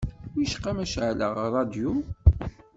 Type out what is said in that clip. Wicqa ma ceεleɣ rradyu?